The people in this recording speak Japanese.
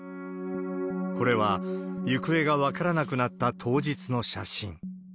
これは行方が分からなくなった当日の写真。